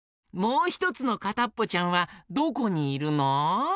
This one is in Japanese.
もうひとつのかたっぽちゃんはどこにいるの？